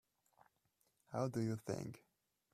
How do you think?